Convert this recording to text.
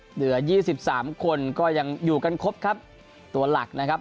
เหลือยี่สิบสามคนก็ยังอยู่กันครบครับตัวหลักนะครับ